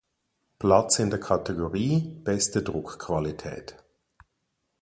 Platz in der Kategorie: „Beste Druckqualität“.